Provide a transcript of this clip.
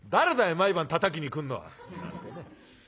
毎晩たたきに来んのは」なんてね。